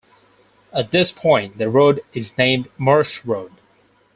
At this point, the road is named Marsh Road.